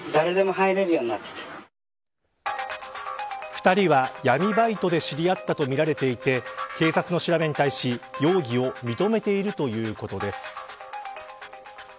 ２人は闇バイトで知り合ったとみられていて警察の調べに対し、容疑を認めているということです。